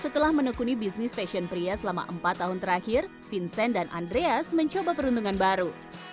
setelah menekuni bisnis fashion pria selama empat tahun terakhir vincent dan andreas mencoba peruntungan baru